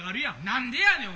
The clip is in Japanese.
何でやねん！